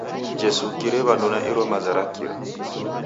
Jesu ukire w'andu na iro maza ra kira!